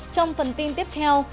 trong phần tin tiếp theo